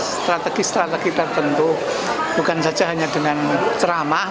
strategi strategi tertentu bukan saja hanya dengan ceramah